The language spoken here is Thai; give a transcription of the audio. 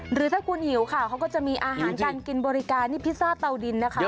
หรือถ้าคุณหิวค่ะเขาก็จะมีอาหารการกินบริการนี่พิซซ่าเตาดินนะคะ